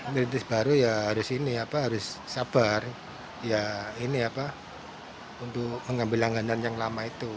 kritis baru ya harus ini apa harus sabar ya ini apa untuk mengambil langganan yang lama itu